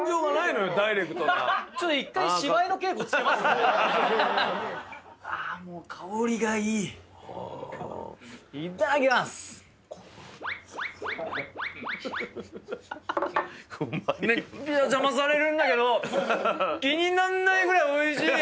めっちゃ邪魔されるんだけど気になんないぐらいおいしい！